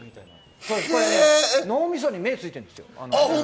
脳みそに目がついてるんですよ。